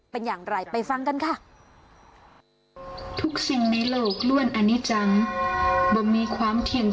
เป็นอย่างไรไปฟังกันค่ะ